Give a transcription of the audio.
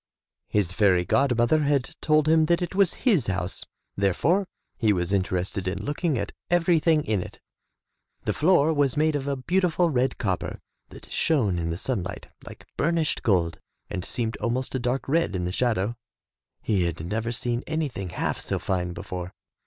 His fairy god mother had told him that it was his house, therefore he was interested in looking at everything in it. The floor was made of a beautiful red copper that shone in the sunlight like burnished gold and seemed almost a dark red in the shadow. He had never seen anything half so fine before.